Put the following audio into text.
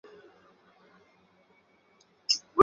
敏感木蓝为豆科木蓝属下的一个种。